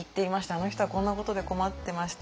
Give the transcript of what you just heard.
「あの人はこんなことで困ってました」